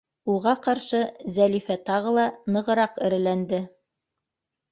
Уға ҡаршы Зәлифә тағы ла нығыраҡ эреләнде: